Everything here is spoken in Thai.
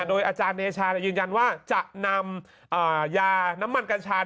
โดยอาจารย์เนชายืนยันว่าจะนำยาน้ำมันกัญชา